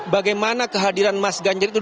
bagaimana kehadiran mas ganjar itu